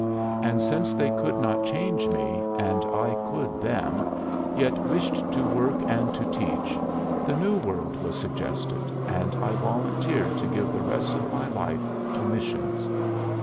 And since they could not change me and I could them, yet wished to work and to teach, the New World was suggested, and I volunteered to give the rest of my life to missions.